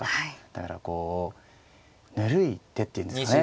だからこうぬるい手っていうんですかね